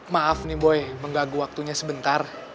maaf nih boy menggaguh waktunya sebentar